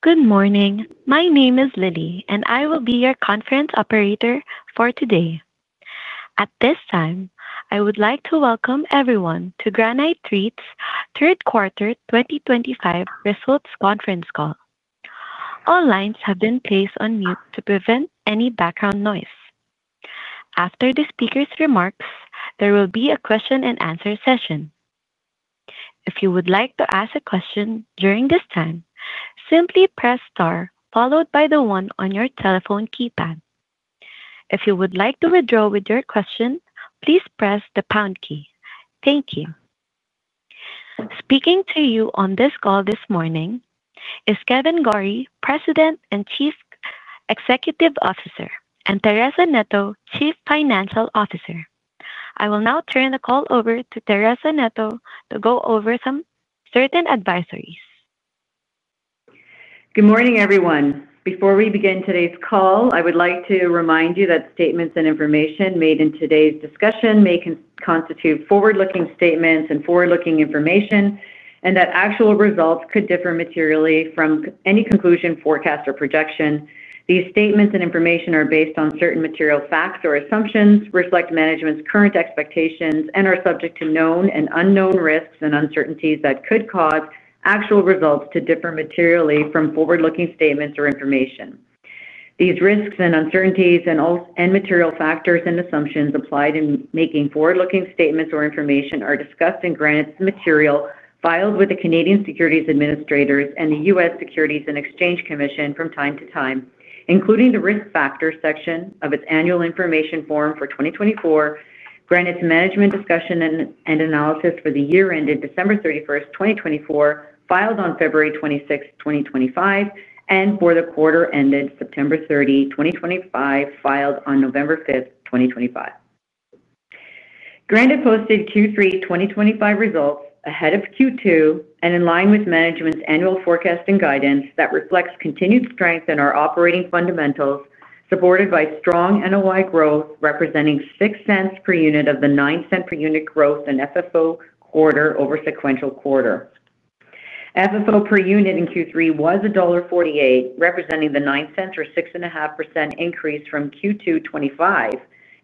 Good morning. My name is Lily, and I will be your conference operator for today. At this time, I would like to welcome everyone to Granite REIT's third quarter 2025 results conference call. All lines have been placed on mute to prevent any background noise. After the speaker's remarks, there will be a question-and-answer session. If you would like to ask a question during this time, simply press star followed by the one on your telephone keypad. If you would like to withdraw your question, please press the pound key. Thank you. Speaking to you on this call this morning is Kevan Gorrie, President and Chief Executive Officer, and Teresa Neto, Chief Financial Officer. I will now turn the call over to Teresa Neto to go over some certain advisories. Good morning, everyone. Before we begin today's call, I would like to remind you that statements and information made in today's discussion may constitute forward-looking statements and forward-looking information, and that actual results could differ materially from any conclusion, forecast, or projection. These statements and information are based on certain material facts or assumptions, reflect management's current expectations, and are subject to known and unknown risks and uncertainties that could cause actual results to differ materially from forward-looking statements or information. These risks and uncertainties and material factors and assumptions applied in making forward-looking statements or information are discussed in Granite's material filed with the Canadian Securities Administrators and the U.S. Securities and Exchange Commission from time to time, including the risk factors section of its annual information form for 2024, Granite management discussion and analysis for the year ended December 31, 2024, filed on February 26, 2025, and for the quarter ended September 30, 2025, filed on November 5, 2025. Granite posted Q3 2025 results ahead of Q2 and in line with management's annual forecast and guidance that reflects continued strength in our operating fundamentals, supported by strong NOI growth representing 0.06 per unit of the 0.09 per unit growth in FFO quarter over sequential quarter. FFO per unit in Q3 was dollar 1.48, representing the 0.09 or 6.5% increase from Q2 2025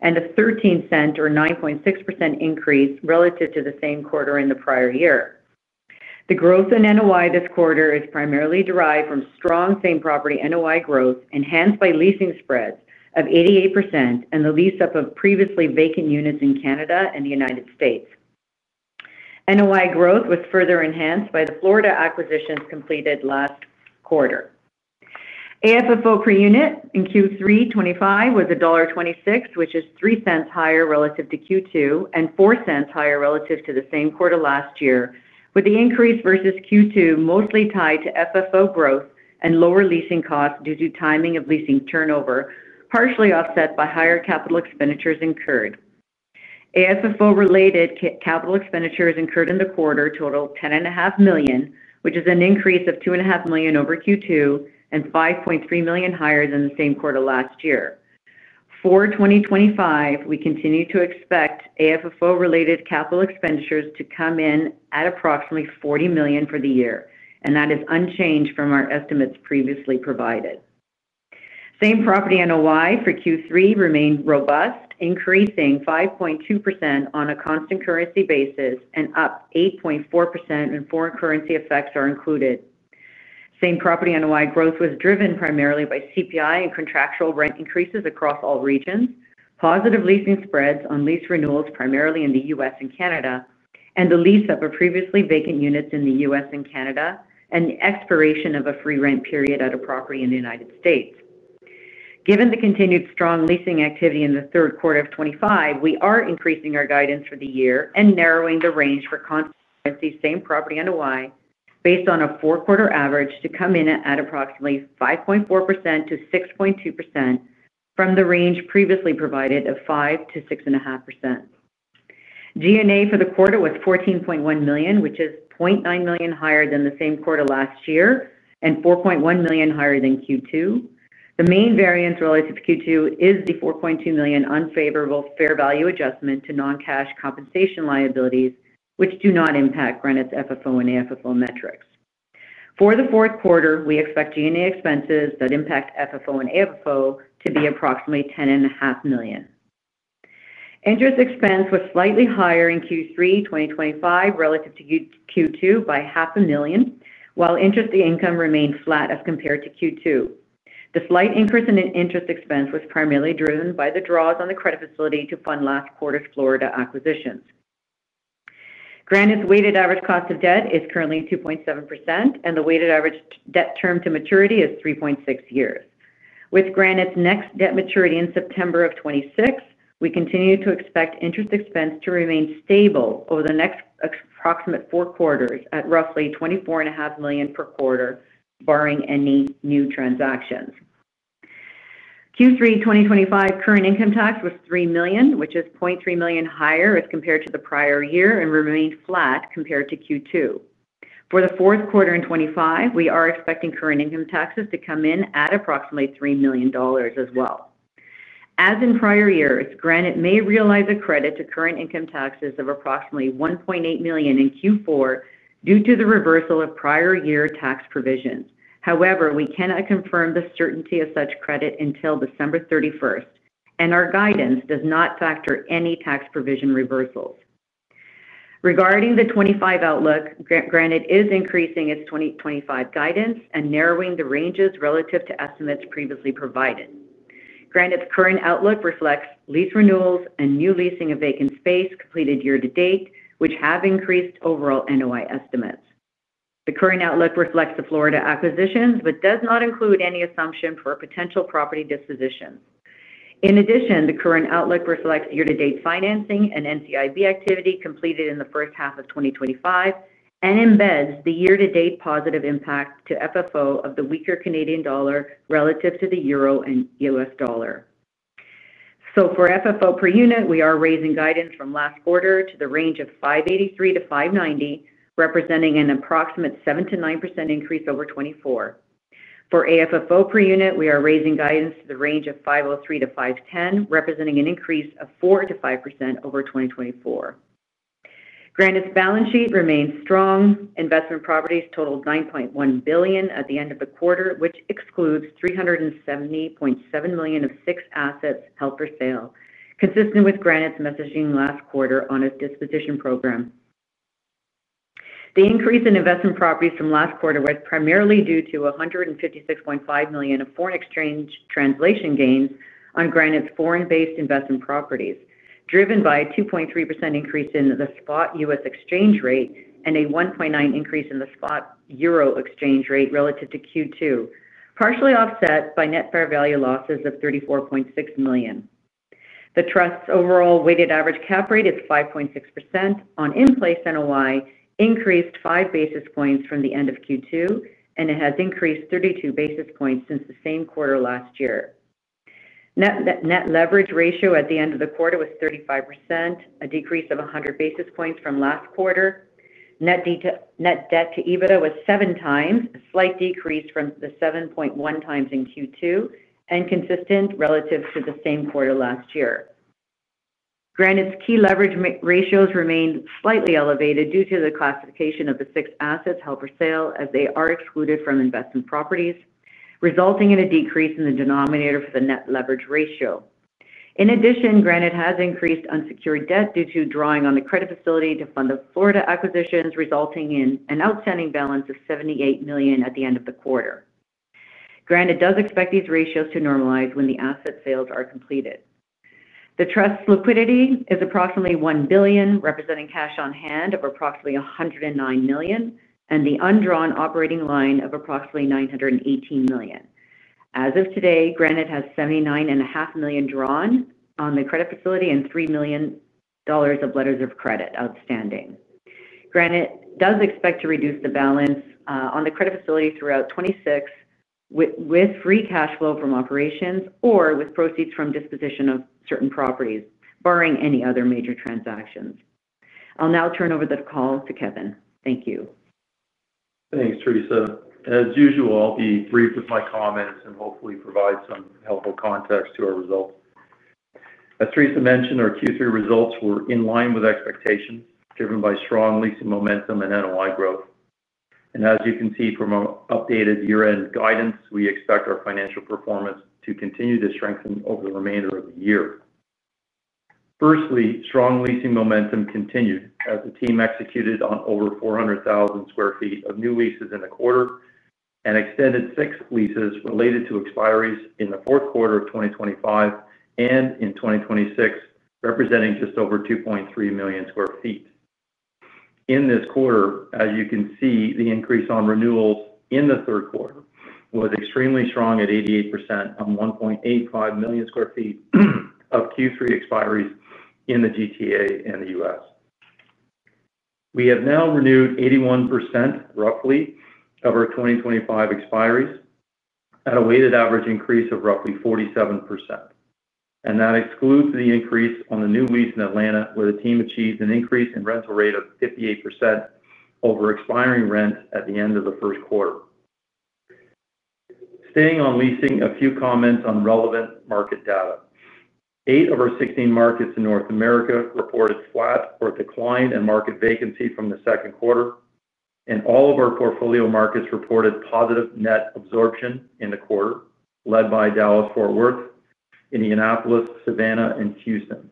and the 0.13 or 9.6% increase relative to the same quarter in the prior year. The growth in NOI this quarter is primarily derived from strong same property NOI growth enhanced by leasing spreads of 88% and the lease up of previously vacant units in Canada and the U.S. NOI growth was further enhanced by the Florida acquisitions completed last quarter. AFFO per unit in Q3 2025 was dollar 1.26, which is 0.03 higher relative to Q2 and 0.04 higher relative to the same quarter last year, with the increase versus Q2 mostly tied to FFO growth and lower leasing costs due to timing of leasing turnover, partially offset by higher capital expenditures incurred. AFFO-related capital expenditures incurred in the quarter totaled 10.5 million, which is an increase of 2.5 million over Q2 and 5.3 million higher than the same quarter last year. For 2025, we continue to expect AFFO-related capital expenditures to come in at approximately 40 million for the year, and that is unchanged from our estimates previously provided. Same property NOI for Q3 remained robust, increasing 5.2% on a constant currency basis and up 8.4% when foreign currency effects are included. Same property NOI growth was driven primarily by CPI and contractual rent increases across all regions, positive leasing spreads on lease renewals primarily in the U.S. and Canada, and the lease up of previously vacant units in the U.S. and Canada, and expiration of a free rent period at a property in the United States. Given the continued strong leasing activity in the third quarter of 2025, we are increasing our guidance for the year and narrowing the range for constant currency same property NOI based on a four-quarter average to come in at approximately 5.4%-6.2% from the range previously provided of 5%-6.5%. G&A for the quarter was 14.1 million, which is 0.9 million higher than the same quarter last year and 4.1 million higher than Q2. The main variance relative to Q2 is the 4.2 million unfavorable fair value adjustment to non-cash compensation liabilities, which do not impact Granite's FFO and AFFO metrics. For the fourth quarter, we expect G&A expenses that impact FFO and AFFO to be approximately 10.5 million. Interest expense was slightly higher in Q3 2025 relative to Q2 by 500,000, while interest income remained flat as compared to Q2. The slight increase in interest expense was primarily driven by the draws on the credit facility to fund last quarter's Florida acquisitions. Granite's weighted average cost of debt is currently 2.7%, and the weighted average debt term to maturity is 3.6 years. With Granite's next debt maturity in September of 2026, we continue to expect interest expense to remain stable over the next approximate four quarters at roughly 24.5 million per quarter, barring any new transactions. Q3 2025 current income tax was 3 million, which is 0.3 million higher as compared to the prior year and remained flat compared to Q2. For the fourth quarter in 2025, we are expecting current income taxes to come in at approximately 3 million dollars as well. As in prior years, Granite may realize a credit to current income taxes of approximately 1.8 million in Q4 due to the reversal of prior year tax provisions. However, we cannot confirm the certainty of such credit until December 31, and our guidance does not factor any tax provision reversals. Regarding the 2025 outlook, Granite is increasing its 2025 guidance and narrowing the ranges relative to estimates previously provided. Granite's current outlook reflects lease renewals and new leasing of vacant space completed year to date, which have increased overall NOI estimates. The current outlook reflects the Florida acquisitions but does not include any assumption for potential property disposition. In addition, the current outlook reflects year-to-date financing and NCIB activity completed in the first half of 2025 and embeds the year-to-date positive impact to FFO of the weaker Canadian dollar relative to the euro and U.S. dollar. For FFO per unit, we are raising guidance from last quarter to the range of 5.83-5.90, representing an approximate 7%-9% increase over 2024. For AFFO per unit, we are raising guidance to the range of 5.03-5.10, representing an increase of 4%-5% over 2024. Granite's balance sheet remains strong. Investment properties totaled 9.1 billion at the end of the quarter, which excludes 370.7 million of six assets held for sale, consistent with Granite's messaging last quarter on its disposition program. The increase in investment properties from last quarter was primarily due to 156.5 million of foreign exchange translation gains on Granite's foreign-based investment properties, driven by a 2.3% increase in the spot U.S. exchange rate and a 1.9% increase in the spot euro exchange rate relative to Q2, partially offset by net fair value losses of 34.6 million. The trust's overall weighted average cap rate is 5.6% on in-place NOI, increased five basis points from the end of Q2, and it has increased 32 basis points since the same quarter last year. Net leverage ratio at the end of the quarter was 35%, a decrease of 100 basis points from last quarter. Net debt to EBITDA was 7x, a slight decrease from the 7.1x in Q2, and consistent relative to the same quarter last year. Granite's key leverage ratios remained slightly elevated due to the classification of the six assets held for sale as they are excluded from investment properties, resulting in a decrease in the denominator for the net leverage ratio. In addition, Granite has increased unsecured debt due to drawing on the credit facility to fund the Florida acquisitions, resulting in an outstanding balance of 78 million at the end of the quarter. Granite does expect these ratios to normalize when the asset sales are completed. The trust's liquidity is approximately 1 billion, representing cash on hand of approximately 109 million, and the undrawn operating line of approximately 918 million. As of today, Granite has 79.5 million drawn on the credit facility and 3 million dollars of letters of credit outstanding. Granite does expect to reduce the balance on the credit facility throughout 2026 with free cash flow from operations or with proceeds from disposition of certain properties, barring any other major transactions. I'll now turn over the call to Kevan. Thank you. Thanks, Teresa. As usual, I'll be brief with my comments and hopefully provide some helpful context to our results. As Teresa mentioned, our Q3 results were in line with expectations driven by strong leasing momentum and NOI growth. As you can see from our updated year-end guidance, we expect our financial performance to continue to strengthen over the remainder of the year. Firstly, strong leasing momentum continued as the team executed on over 400,000 sq ft of new leases in the quarter and extended six leases related to expiries in the fourth quarter of 2025 and in 2026, representing just over 2.3 million sq ft. In this quarter, as you can see, the increase on renewals in the third quarter was extremely strong at 88% on 1.85 million sq ft of Q3 expiries in the GTA and the U.S. We have now renewed 81%, roughly, of our 2025 expiries at a weighted average increase of roughly 47%. That excludes the increase on the new lease in Atlanta, where the team achieved an increase in rental rate of 58% over expiring rent at the end of the first quarter. Staying on leasing, a few comments on relevant market data. Eight of our 16 markets in North America reported flat or declined in market vacancy from the second quarter, and all of our portfolio markets reported positive net absorption in the quarter, led by Dallas, Fort Worth, Indianapolis, Savannah, and Houston.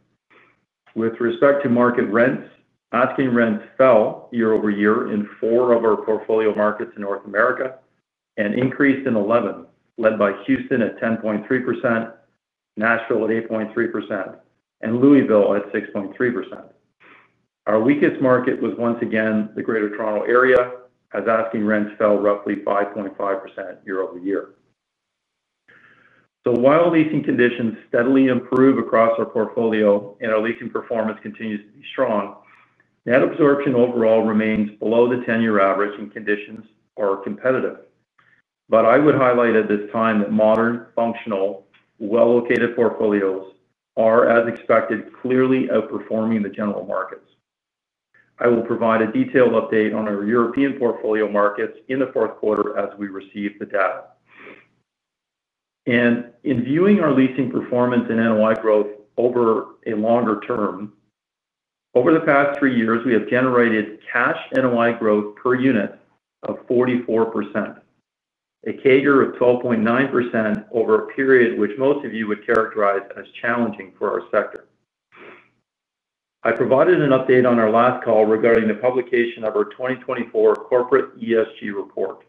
With respect to market rents, asking rents fell year over year in four of our portfolio markets in North America and increased in 11, led by Houston at 10.3%, Nashville at 8.3%, and Louisville at 6.3%. Our weakest market was once again the Greater Toronto Area, as asking rents fell roughly 5.5% year over year. While leasing conditions steadily improve across our portfolio and our leasing performance continues to be strong, net absorption overall remains below the 10-year average in conditions or competitive. I would highlight at this time that modern, functional, well-located portfolios are, as expected, clearly outperforming the general markets. I will provide a detailed update on our European portfolio markets in the fourth quarter as we receive the data. In viewing our leasing performance and NOI growth over a longer term, over the past three years, we have generated cash NOI growth per unit of 44%, a CAGR of 12.9% over a period which most of you would characterize as challenging for our sector. I provided an update on our last call regarding the publication of our 2024 corporate ESG report.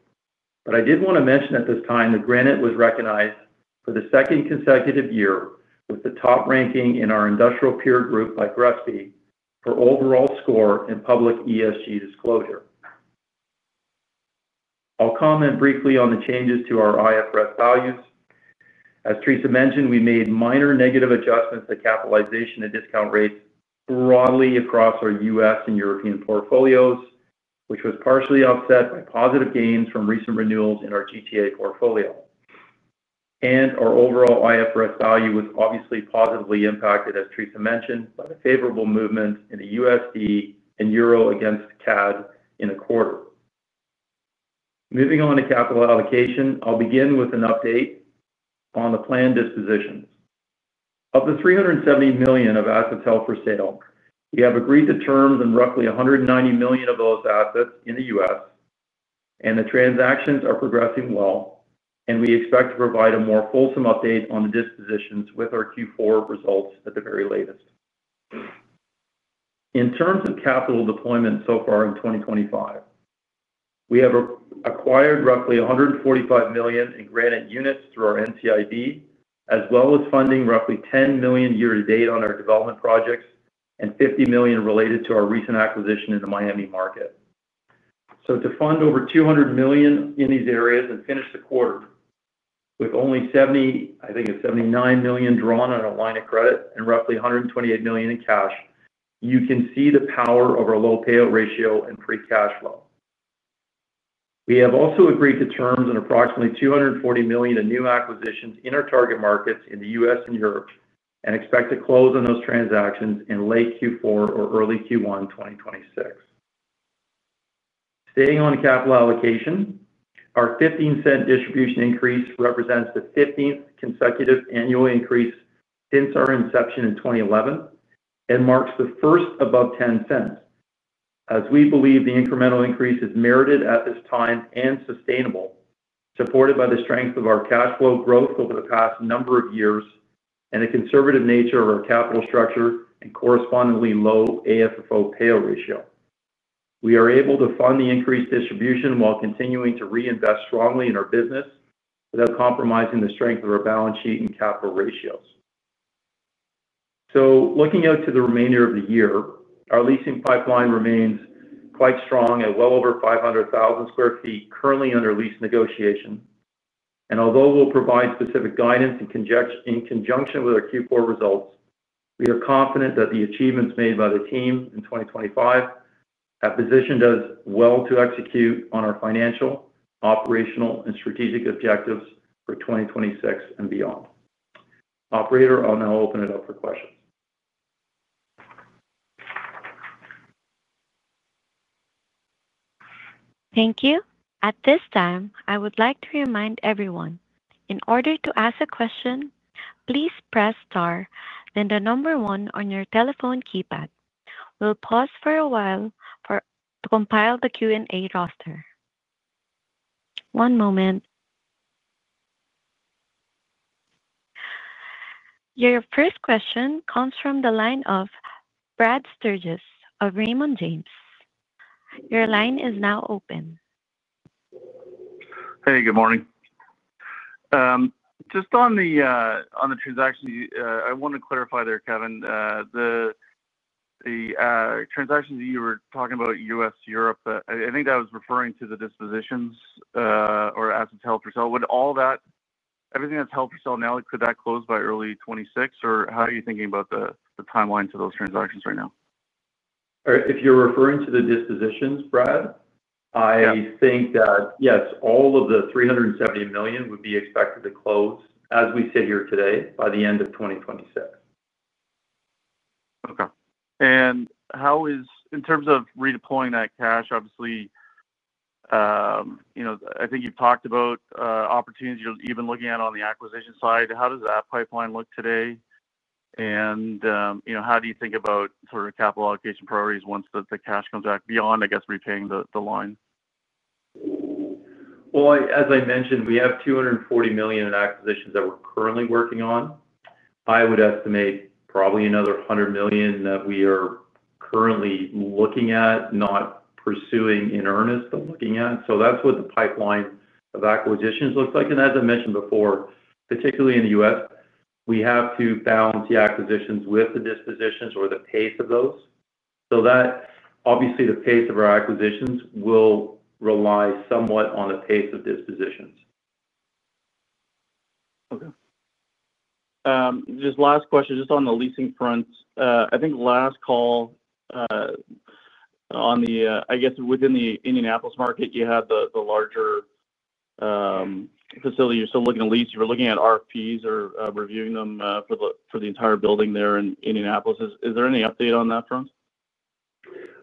I did want to mention at this time that Granite was recognized for the second consecutive year with the top ranking in our industrial peer group by GRESB for overall score in public ESG disclosure. I'll comment briefly on the changes to our IFRS values. As Teresa mentioned, we made minor negative adjustments to capitalization and discount rates broadly across our U.S. and European portfolios, which was partially offset by positive gains from recent renewals in our GTA portfolio. Our overall IFRS value was obviously positively impacted, as Teresa mentioned, by the favorable movement in the USD and EUR against CAD in the quarter. Moving on to capital allocation, I'll begin with an update on the planned dispositions. Of the 370 million of assets held for sale, we have agreed to terms on roughly 190 million of those assets in the U.S., and the transactions are progressing well, and we expect to provide a more fulsome update on the dispositions with our Q4 results at the very latest. In terms of capital deployment so far in 2025, we have acquired roughly 145 million in Granite units through our NCIB, as well as funding roughly 10 million year-to-date on our development projects and 50 million related to our recent acquisition in the Miami market. To fund over 200 million in these areas and finish the quarter with only, I think, 79 million drawn on Atlantic Credit and roughly 128 million in cash, you can see the power of our low payout ratio and free cash flow. We have also agreed to terms on approximately 240 million in new acquisitions in our target markets in the U.S. and Europe and expect to close on those transactions in late Q4 or early Q1 2026. Staying on capital allocation, our 0.15 distribution increase represents the 15th consecutive annual increase since our inception in 2011 and marks the first above 0.10, as we believe the incremental increase is merited at this time and sustainable, supported by the strength of our cash flow growth over the past number of years and the conservative nature of our capital structure and correspondingly low AFFO payout ratio. We are able to fund the increased distribution while continuing to reinvest strongly in our business without compromising the strength of our balance sheet and capital ratios. Looking out to the remainder of the year, our leasing pipeline remains quite strong at well over 500,000 sq ft currently under lease negotiation. Although we'll provide specific guidance in conjunction with our Q4 results, we are confident that the achievements made by the team in 2025 have positioned us well to execute on our financial, operational, and strategic objectives for 2026 and beyond. Operator, I'll now open it up for questions. Thank you. At this time, I would like to remind everyone, in order to ask a question, please press star then the number one on your telephone keypad. We'll pause for a while to compile the Q&A roster. One moment. Your first question comes from the line of Brad Sturges of Raymond James. Your line is now open. Hey, good morning. Just on the transactions, I want to clarify there, Kevan. The transactions you were talking about, U.S., Europe, I think that was referring to the dispositions or assets held for sale. Would all that, everything that's held for sale now, could that close by early 2026, or how are you thinking about the timeline to those transactions right now? If you're referring to the dispositions, Brad, I think that, yes, all of the 370 million would be expected to close as we sit here today by the end of 2026. Okay. How is, in terms of redeploying that cash, obviously, I think you've talked about opportunities you're even looking at on the acquisition side. How does that pipeline look today? How do you think about sort of capital allocation priorities once the cash comes back beyond, I guess, repaying the line? As I mentioned, we have 240 million in acquisitions that we are currently working on. I would estimate probably another 100 million that we are currently looking at, not pursuing in earnest, but looking at. That is what the pipeline of acquisitions looks like. As I mentioned before, particularly in the U.S., we have to balance the acquisitions with the dispositions or the pace of those. Obviously, the pace of our acquisitions will rely somewhat on the pace of dispositions. Okay. Just last question, just on the leasing front. I think last call. On the, I guess, within the Indianapolis market, you had the larger facility you're still looking to lease. You were looking at RFPs or reviewing them for the entire building there in Indianapolis. Is there any update on that front?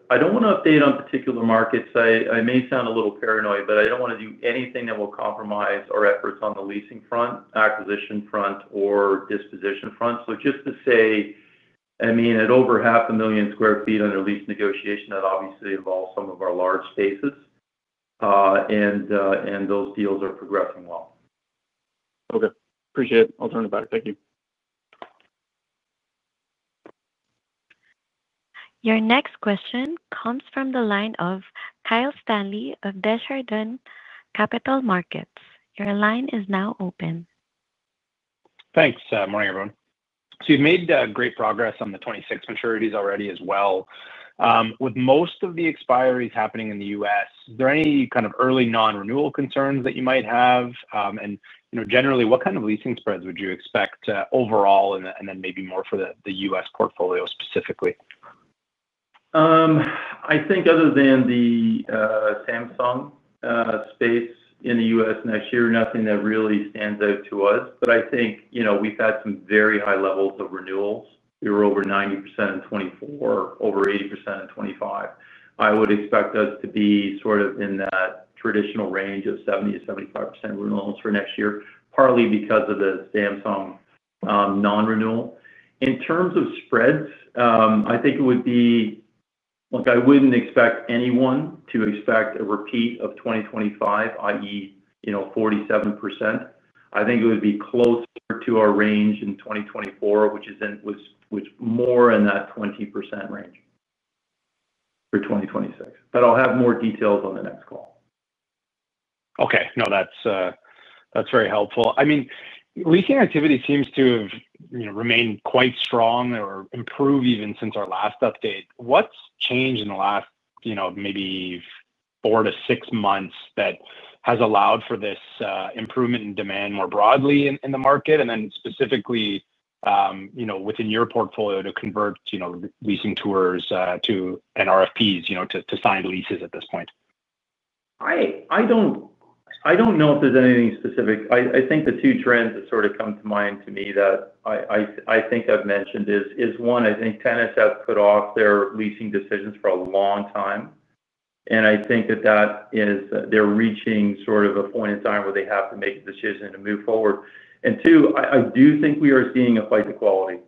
I do not want to update on particular markets. I may sound a little paranoid, but I do not want to do anything that will compromise our efforts on the leasing front, acquisition front, or disposition front. Just to say, at over 500,000 sq ft under lease negotiation, that obviously involves some of our large spaces. Those deals are progressing well. Okay. Appreciate it. I'll turn it back. Thank you. Your next question comes from the line of Kyle Stanley of Desjardins Capital Markets. Your line is now open. Thanks. Morning, everyone. You've made great progress on the '26 maturities already as well. With most of the expiries happening in the U.S., is there any kind of early non-renewal concerns that you might have? Generally, what kind of leasing spreads would you expect overall, and then maybe more for the U.S. portfolio specifically? I think other than the Samsung space in the U.S. next year, nothing that really stands out to us. I think we've had some very high levels of renewals. We were over 90% in 2024, over 80% in 2025. I would expect us to be sort of in that traditional range of 70%-75% renewals for next year, partly because of the Samsung non-renewal. In terms of spreads, I think it would be, like, I wouldn't expect anyone to expect a repeat of 2025, i.e., 47%. I think it would be closer to our range in 2024, which was more in that 20% range for 2026. I'll have more details on the next call. Okay. No, that's very helpful. I mean, leasing activity seems to have remained quite strong or improved even since our last update. What's changed in the last maybe four to six months that has allowed for this improvement in demand more broadly in the market, and then specifically within your portfolio to convert leasing tours and RFPs to signed leases at this point? I do not know if there is anything specific. I think the two trends that sort of come to mind to me that I think I have mentioned is, one, I think tenants have put off their leasing decisions for a long time. I think that they are reaching sort of a point in time where they have to make a decision to move forward. Two, I do think we are seeing a fight to quality.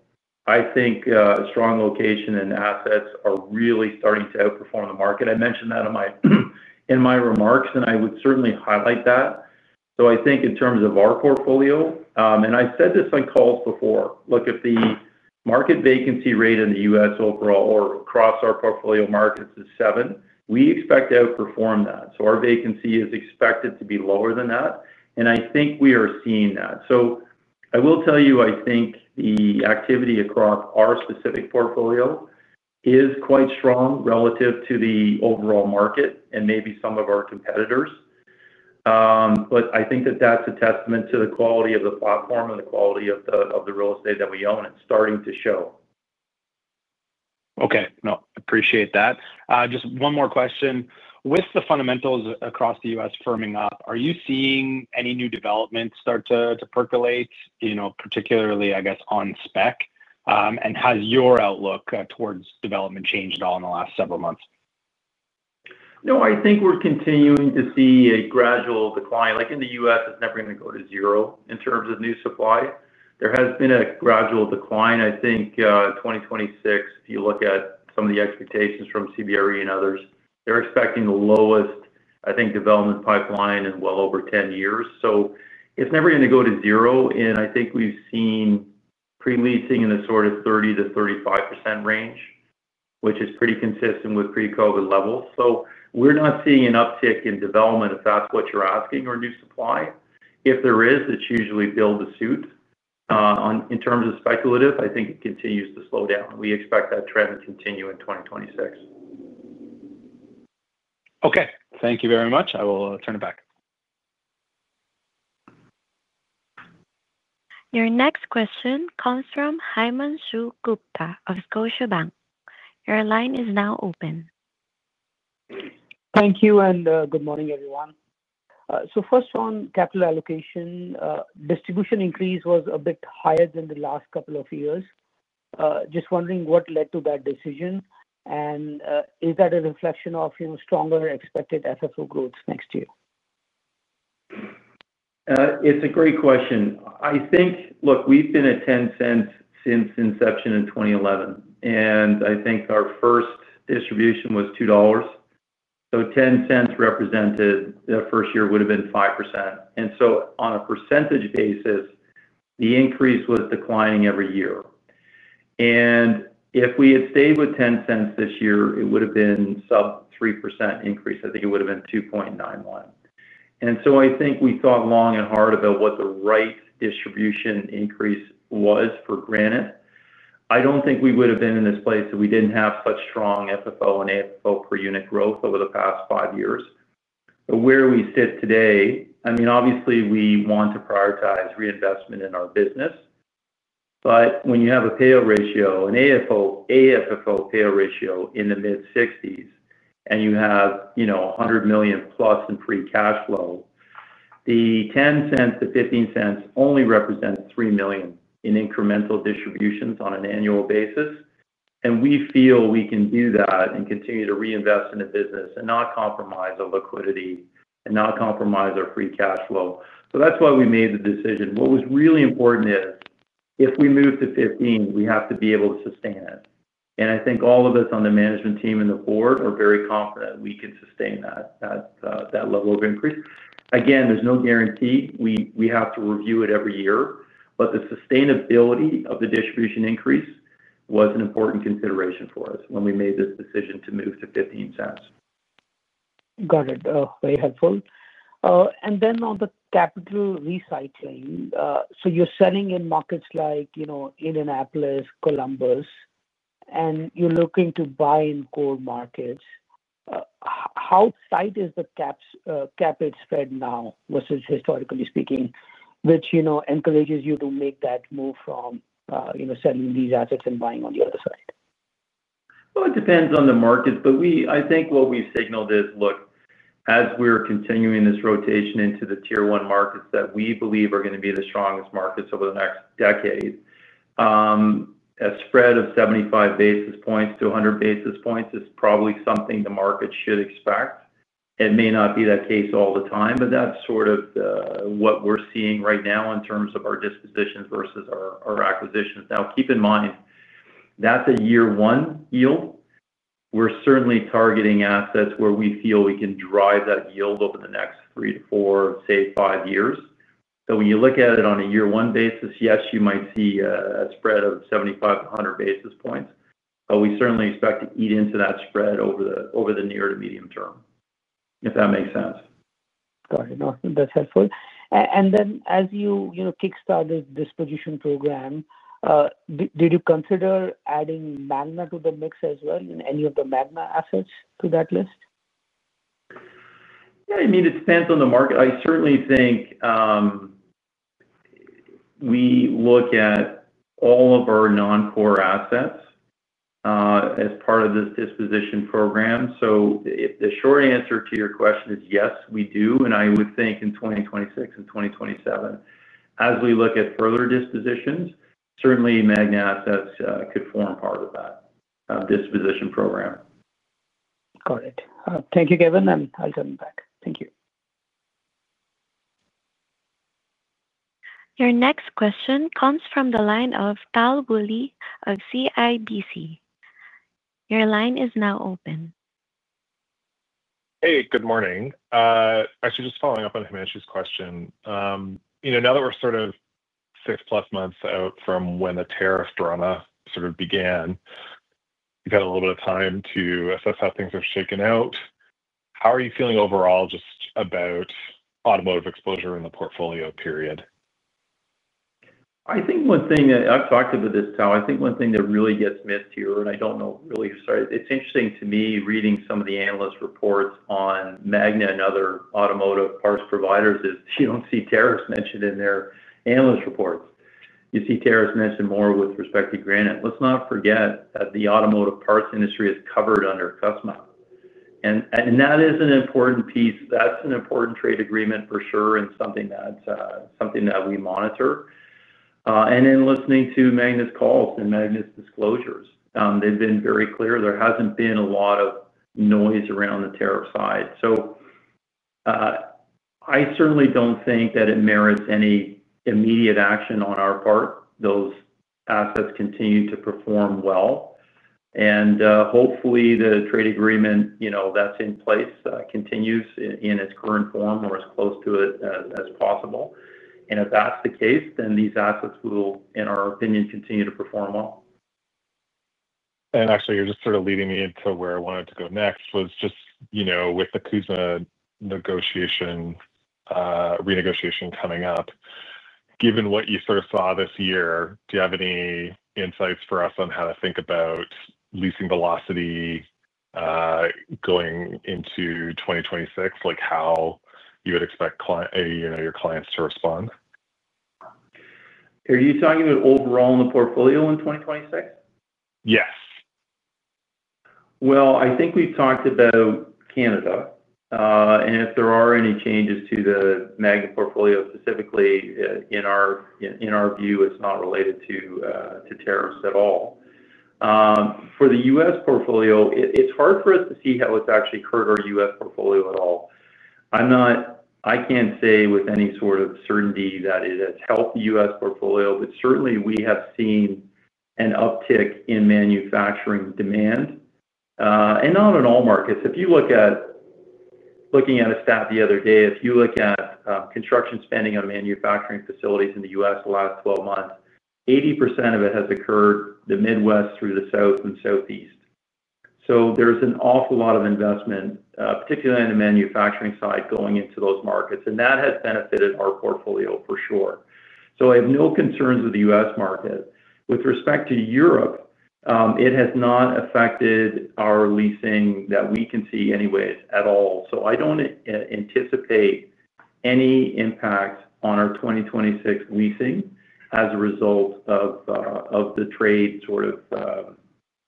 I think strong location and assets are really starting to outperform the market. I mentioned that in my remarks, and I would certainly highlight that. I think in terms of our portfolio, and I said this on calls before, look, if the market vacancy rate in the U.S. overall or across our portfolio markets is 7%, we expect to outperform that. Our vacancy is expected to be lower than that. I think we are seeing that. I will tell you, I think the activity across our specific portfolio is quite strong relative to the overall market and maybe some of our competitors. I think that is a testament to the quality of the platform and the quality of the real estate that we own and starting to show. Okay. No, appreciate that. Just one more question. With the fundamentals across the U.S. firming up, are you seeing any new developments start to percolate, particularly, I guess, on spec? Has your outlook towards development changed at all in the last several months? No, I think we're continuing to see a gradual decline. Like in the U.S., it's never going to go to zero in terms of new supply. There has been a gradual decline. I think 2026, if you look at some of the expectations from CBRE and others, they're expecting the lowest, I think, development pipeline in well over 10 years. It's never going to go to zero. I think we've seen preleasing in the sort of 30%-35% range, which is pretty consistent with pre-COVID levels. We're not seeing an uptick in development if that's what you're asking or new supply. If there is, it's usually build to suit. In terms of speculative, I think it continues to slow down. We expect that trend to continue in 2026. Okay. Thank you very much. I will turn it back. Your next question comes from Himanshu Gupta of Scotiabank. Your line is now open. Thank you and good morning, everyone. First on capital allocation, distribution increase was a bit higher than the last couple of years. Just wondering what led to that decision. Is that a reflection of stronger expected FFO growth next year? It's a great question. I think, look, we've been at 0.10 since inception in 2011. I think our first distribution was 2 dollars. So 0.10 represented the first year would have been 5%. On a percentage basis, the increase was declining every year. If we had stayed with 0.10 this year, it would have been sub 3% increase. I think it would have been 2.91%. I think we thought long and hard about what the right distribution increase was for Granite. I do not think we would have been in this place if we did not have such strong FFO and AFFO per unit growth over the past five years. Where we sit today, I mean, obviously, we want to prioritize reinvestment in our business. When you have a payout ratio, an AFFO payout ratio in the mid-60%, and you have 100 million+ in free cash flow, the 0.10-0.15 only represents 3 million in incremental distributions on an annual basis. We feel we can do that and continue to reinvest in the business and not compromise our liquidity and not compromise our free cash flow. That is why we made the decision. What was really important is if we move to 0.15, we have to be able to sustain it. I think all of us on the management team and the board are very confident we can sustain that level of increase. Again, there is no guarantee. We have to review it every year. The sustainability of the distribution increase was an important consideration for us when we made this decision to move to 0.15. Got it. Very helpful. On the capital recycling, you are selling in markets like Indianapolis, Columbus. You are looking to buy in core markets. How tight is the cap rate spread now versus historically speaking, which encourages you to make that move from selling these assets and buying on the other side? It depends on the markets. I think what we've siG&Aled is, look, as we're continuing this rotation into the tier one markets that we believe are going to be the strongest markets over the next decade. A spread of 75 basis points-100 basis points is probably something the market should expect. It may not be that case all the time, but that's sort of what we're seeing right now in terms of our dispositions versus our acquisitions. Now, keep in mind, that's a year one yield. We're certainly targeting assets where we feel we can drive that yield over the next three to four, say, five years. When you look at it on a year one basis, yes, you might see a spread of 75 basis points-100 basis points. We certainly expect to eat into that spread over the near to medium term, if that makes sense. Got it. No, that's helpful. As you kickstarted this disposition program, did you consider adding MAGNA to the mix as well, any of the MAGNA assets to that list? Yeah. I mean, it depends on the market. I certainly think. We look at all of our non-core assets as part of this disposition program. The short answer to your question is yes, we do. I would think in 2026 and 2027, as we look at further dispositions, certainly MAGNA assets could form part of that disposition program. Got it. Thank you, Kevan. I'll turn it back. Thank you. Your next question comes from the line of Tal Woolley of CIBC. Your line is now open. Hey, good morning. Actually, just following up on Haimeng's question. Now that we're sort of six-plus months out from when the tariff drama sort of began, you've had a little bit of time to assess how things have shaken out. How are you feeling overall just about automotive exposure in the portfolio period? I think one thing I've talked about, Tal, I think one thing that really gets missed here, and I don't know, really, sorry, it's interesting to me reading some of the analyst reports on MAGNA and other automotive parts providers is you don't see tariffs mentioned in their analyst reports. You see tariffs mentioned more with respect to Granite. Let's not forget that the automotive parts industry is covered under CUSMA. That is an important piece. That's an important trade agreement for sure and something that we monitor. In listening to MAGNA's calls and MAGNA's disclosures, they've been very clear. There hasn't been a lot of noise around the tariff side. I certainly don't think that it merits any immediate action on our part. Those assets continue to perform well. Hopefully, the trade agreement that's in place continues in its current form or as close to it as possible. If that's the case, then these assets will, in our opinion, continue to perform well. You're just sort of leading me into where I wanted to go next, which was with the CUSMA renegotiation coming up. Given what you sort of saw this year, do you have any insights for us on how to think about leasing velocity going into 2026, like how you would expect your clients to respond? Are you talking about overall in the portfolio in 2026? Yes. I think we've talked about Canada. If there are any changes to the MAGNA portfolio specifically, in our view, it's not related to tariffs at all. For the U.S. portfolio, it's hard for us to see how it's actually hurt our U.S. portfolio at all. I can't say with any sort of certainty that it has helped the U.S. portfolio, but certainly, we have seen an uptick in manufacturing demand. Not in all markets. Looking at a stat the other day, if you look at construction spending on manufacturing facilities in the U.S. the last 12 months, 80% of it has occurred in the Midwest through the South and Southeast. There is an awful lot of investment, particularly on the manufacturing side, going into those markets. That has benefited our portfolio for sure. I have no concerns with the U.S. market. With respect to Europe, it has not affected our leasing that we can see anyways at all. I do not anticipate any impact on our 2026 leasing as a result of the trade sort of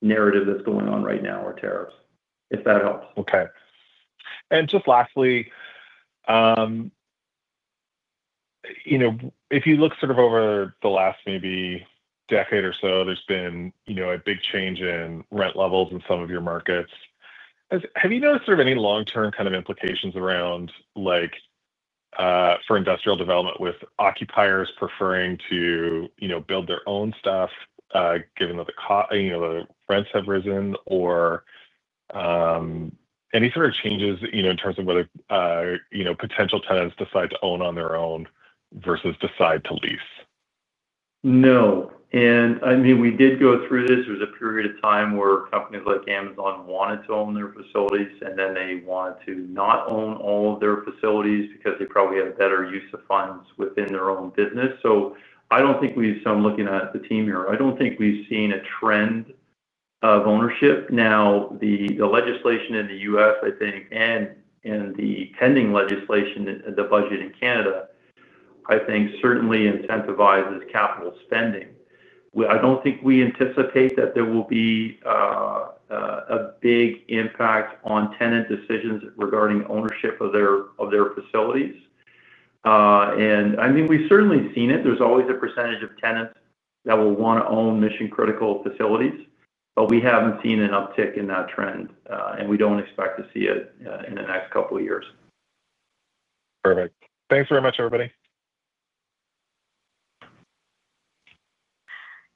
narrative that is going on right now or tariffs, if that helps. Okay. Just lastly, if you look sort of over the last maybe decade or so, there's been a big change in rent levels in some of your markets. Have you noticed sort of any long-term kind of implications around, for industrial development, with occupiers preferring to build their own stuff given that the rents have risen, or any sort of changes in terms of whether potential tenants decide to own on their own versus decide to lease? No. I mean, we did go through this. There was a period of time where companies like Amazon wanted to own their facilities, and then they wanted to not own all of their facilities because they probably had better use of funds within their own business. I do not think we have—so I am looking at the team here—I do not think we have seen a trend of ownership. Now, the legislation in the U.S., I think, and the pending legislation and the budget in Canada, I think, certainly incentivizes capital spending. I do not think we anticipate that there will be a big impact on tenant decisions regarding ownership of their facilities. I mean, we have certainly seen it. There is always a percentage of tenants that will want to own mission-critical facilities, but we have not seen an uptick in that trend. We don't expect to see it in the next couple of years. Perfect. Thanks very much, everybody.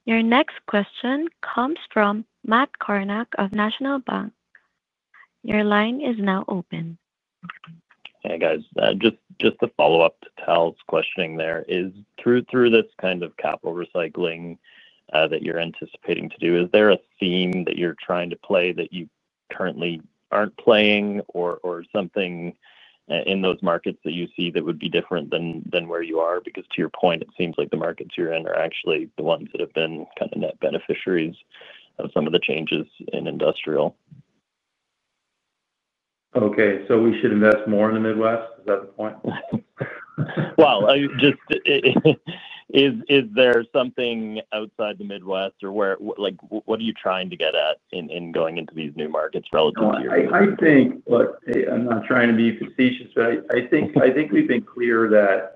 Your next question comes from Matt Kornack of National Bank. Your line is now open. Hey, guys. Just to follow up to Tal's questioning there, through this kind of capital recycling that you're anticipating to do, is there a theme that you're trying to play that you currently aren't playing or something? In those markets that you see that would be different than where you are? Because to your point, it seems like the markets you're in are actually the ones that have been kind of net beneficiaries of some of the changes in industrial. Okay. So we should invest more in the Midwest? Is that the point? Is there something outside the Midwest or what are you trying to get at in going into these new markets relative to your view? Look, I think—look, I'm not trying to be facetious, but I think we've been clear that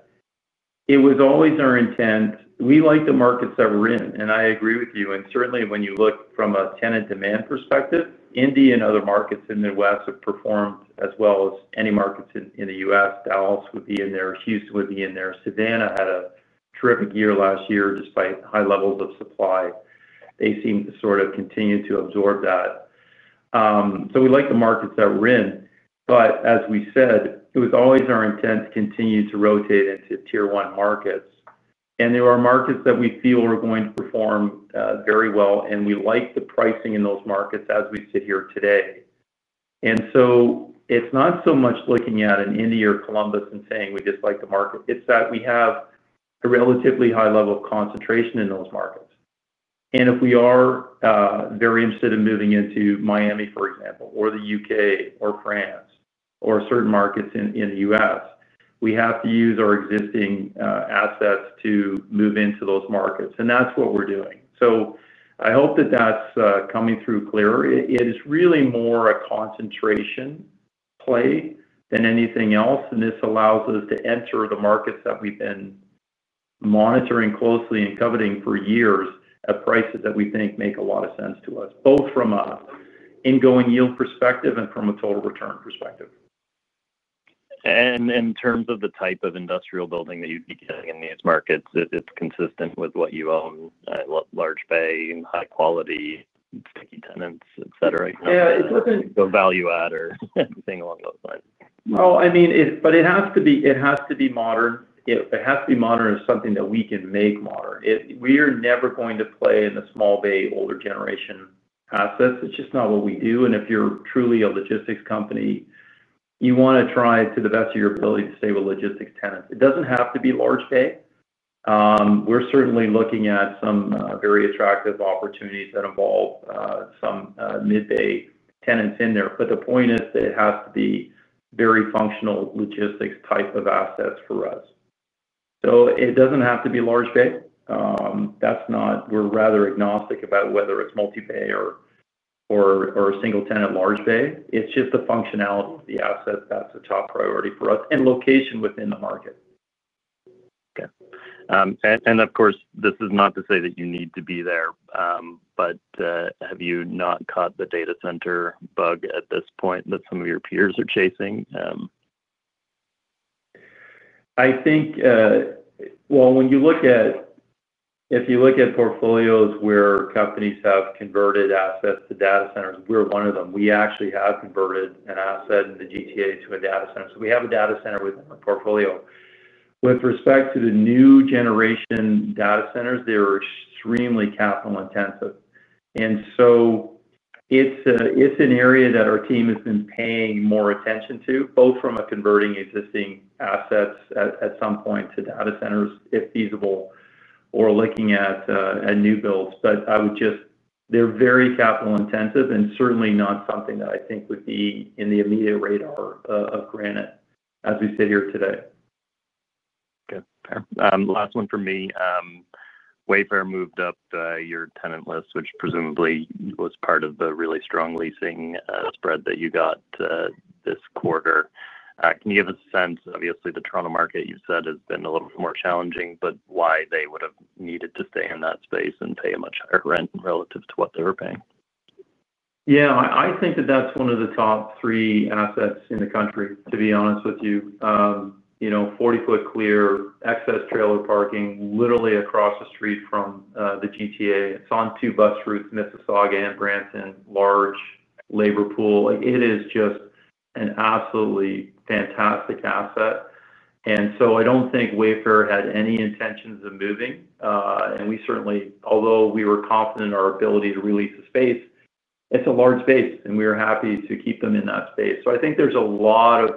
it was always our intent. We like the markets that we're in. I agree with you. Certainly, when you look from a tenant-demand perspective, Indianapolis and other markets in the Midwest have performed as well as any markets in the U.S. Dallas would be in there. Houston would be in there. Savannah had a terrific year last year despite high levels of supply. They seem to sort of continue to absorb that. We like the markets that we're in. As we said, it was always our intent to continue to rotate into tier one markets. There are markets that we feel are going to perform very well, and we like the pricing in those markets as we sit here today. It is not so much looking at an India or Columbus and saying we just like the market. It is that we have a relatively high level of concentration in those markets. If we are very interested in moving into Miami, for example, or the U.K. or France or certain markets in the U.S., we have to use our existing assets to move into those markets. That is what we are doing. I hope that is coming through clear. It is really more a concentration play than anything else. This allows us to enter the markets that we have been monitoring closely and coveting for years at prices that we think make a lot of sense to us, both from an ingoing yield perspective and from a total return perspective. In terms of the type of industrial building that you'd be getting in these markets, it's consistent with what you own, large bay and high-quality sticky tenants, etc.? Yeah. It doesn't. No value add or anything along those lines? It has to be modern. It has to be modern as something that we can make modern. We are never going to play in the small bay, older generation assets. It's just not what we do. If you're truly a logistics company, you want to try to the best of your ability to stay with logistics tenants. It doesn't have to be large bay. We're certainly looking at some very attractive opportunities that involve some mid-bay tenants in there. The point is that it has to be very functional logistics type of assets for us. It doesn't have to be large bay. We're rather agnostic about whether it's multi-bay or a single-tenant large bay. It's just the functionality of the asset that's a top priority for us and location within the market. Okay. Of course, this is not to say that you need to be there, but have you not caught the data center bug at this point that some of your peers are chasing? I think. If you look at portfolios where companies have converted assets to data centers, we are one of them. We actually have converted an asset in the GTA to a data center. So we have a data center within our portfolio. With respect to the new generation data centers, they are extremely capital-intensive. It is an area that our team has been paying more attention to, both from converting existing assets at some point to data centers, if feasible, or looking at new builds. I would just say they are very capital-intensive and certainly not something that I think would be in the immediate radar of Granite as we sit here today. Okay. Last one for me. Wayfair moved up your tenant list, which presumably was part of the really strong leasing spread that you got this quarter. Can you give us a sense? Obviously, the Toronto market, you've said, has been a little bit more challenging, but why they would have needed to stay in that space and pay a much higher rent relative to what they were paying? Yeah. I think that that's one of the top three assets in the country, to be honest with you. Forty-foot clear, excess trailer parking, literally across the street from the GTA. It's on two bus routes, Mississauga and Branson, large labor pool. It is just an absolutely fantastic asset. I don't think Wayfair had any intentions of moving. We certainly, although we were confident in our ability to release the space, it's a large space, and we were happy to keep them in that space. I think there's a lot of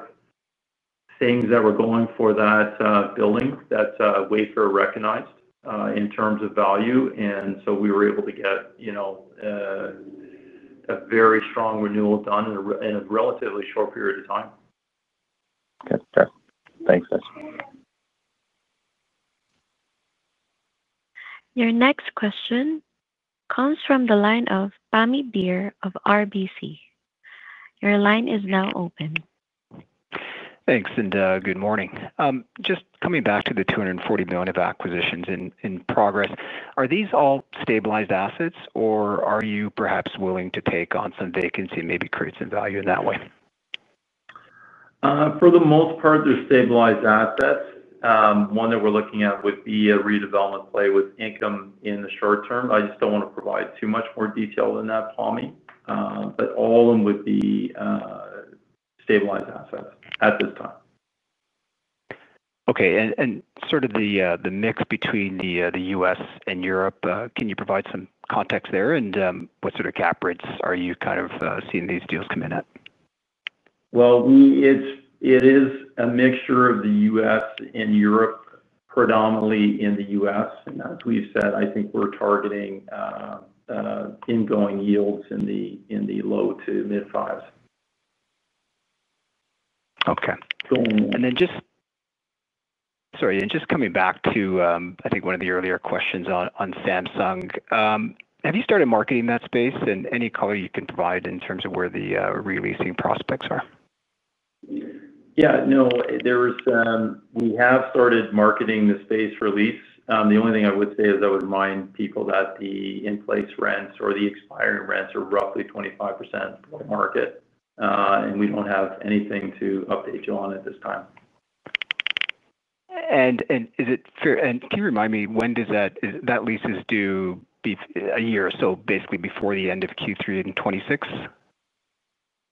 things that were going for that building that Wayfair recognized in terms of value. We were able to get a very strong renewal done in a relatively short period of time. Okay. Thanks, guys. Your next question comes from the line of Pammi Bir of RBC. Your line is now open. Thanks, and good morning. Just coming back to the 240 million of acquisitions in progress, are these all stabilized assets, or are you perhaps willing to take on some vacancy and maybe create some value in that way? For the most part, they're stabilized assets. One that we're looking at would be a redevelopment play with income in the short term. I just don't want to provide too much more detail than that, Pami. All of them would be stabilized assets at this time. Okay. Sort of the mix between the U.S. and Europe, can you provide some context there? What sort of cap rates are you kind of seeing these deals come in at? It is a mixture of the U.S. and Europe, predominantly in the U.S. As we've said, I think we're targeting ingoing yields in the low to mid-5%. Okay. Sorry. Just coming back to, I think, one of the earlier questions on Samsung. Have you started marketing that space? Any color you can provide in terms of where the releasing prospects are? Yeah. No. We have started marketing the space for lease. The only thing I would say is I would remind people that the in-place rents or the expiring rents are roughly 25% of the market. We do not have anything to update you on at this time. Is it fair? And can you remind me when that lease is due? A year or so, basically before the end of Q3 in 2026?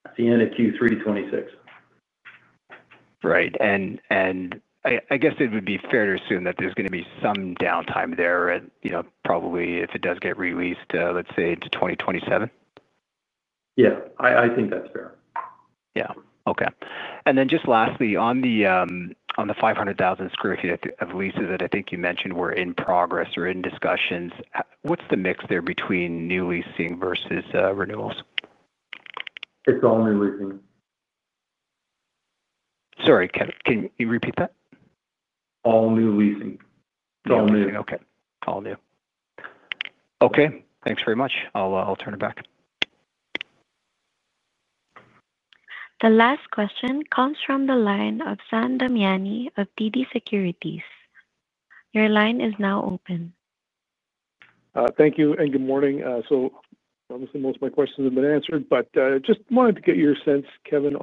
At the end of Q3 2026. Right. I guess it would be fair to assume that there's going to be some downtime there, probably if it does get released, let's say, into 2027? Yeah. I think that's fair. Yeah. Okay. And then just lastly, on the 500,000 sq ft of leases that I think you mentioned were in progress or in discussions, what's the mix there between new leasing versus renewals? It's all new leasing. Sorry. Can you repeat that? All new leasing. It's all new. All new. Okay. All new. Okay. Thanks very much. I'll turn it back. The last question comes from the line of Sam Damiani of TD Securities. Your line is now open. Thank you. Good morning. Obviously, most of my questions have been answered, but just wanted to get your sense, Kevan,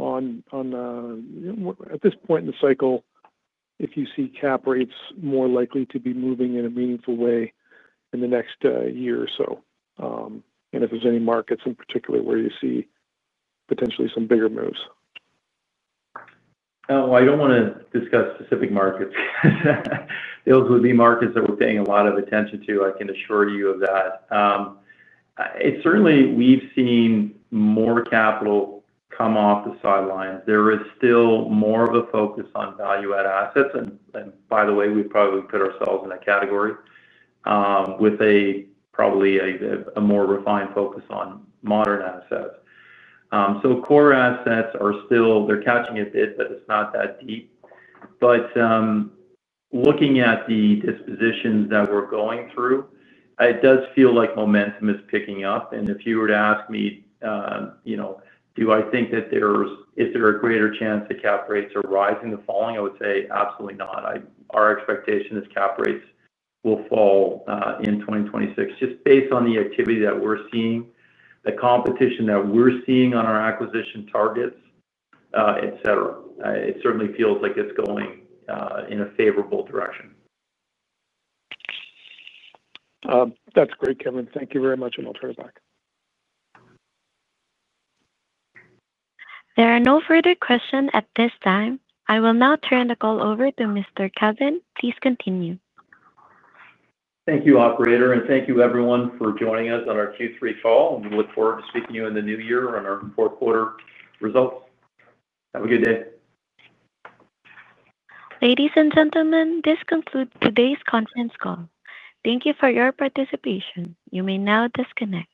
at this point in the cycle, if you see cap rates more likely to be moving in a meaningful way in the next year or so, and if there are any markets in particular where you see potentially some bigger moves. Oh, I do not want to discuss specific markets. Those would be markets that we are paying a lot of attention to. I can assure you of that. Certainly, we have seen more capital come off the sidelines. There is still more of a focus on value-add assets. By the way, we have probably put ourselves in a category, with probably a more refined focus on modern assets. Core assets are still catching a bit, but it is not that deep. Looking at the dispositions that we are going through, it does feel like momentum is picking up. If you were to ask me, do I think that there is a greater chance that cap rates are rising or falling, I would say absolutely not. Our expectation is cap rates will fall in 2026, just based on the activity that we're seeing, the competition that we're seeing on our acquisition targets, etc. It certainly feels like it's going in a favorable direction. That's great, Kevan. Thank you very much, and I'll turn it back. There are no further questions at this time. I will now turn the call over to Mr. Kevan. Please continue. Thank you, operator. Thank you, everyone, for joining us on our Q3 call. We look forward to speaking to you in the new year on our fourth-quarter results. Have a good day. Ladies and gentlemen, this concludes today's conference call. Thank you for your participation. You may now disconnect.